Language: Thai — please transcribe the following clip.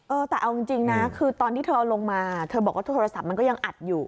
เออแต่เอาจริงนะคือตอนที่เธอเอาลงมาเธอบอกว่าโทรศัพท์มันก็ยังอัดอยู่